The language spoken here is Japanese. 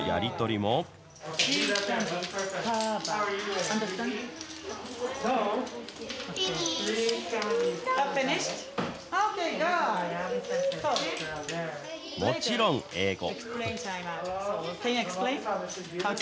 もちろん英語。